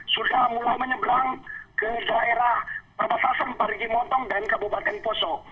sudah mulai menyeberang ke daerah perbatasan parigi montong dan kabupaten poso